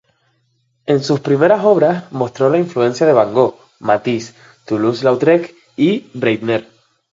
En sus primeras obras mostró la influencia de Van Gogh, Matisse, Toulouse-Lautrec y Breitner.